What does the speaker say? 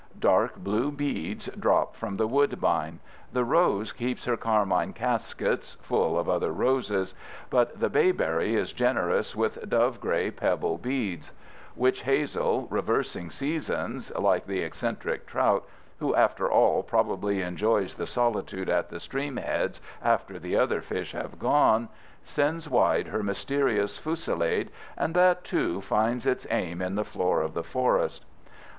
Dark blue beads drop from the woodbine. The rose keeps her carmine caskets, full of other roses; but the bayberry is generous with dove gray pebble seeds. Witch hazel, reversing seasons like the eccentric trout—who, after all, probably enjoys the solitude at the stream heads after the other fish have gone—sends wide her mysterious fusillade, and that, too, finds its aim in the floor of the forest.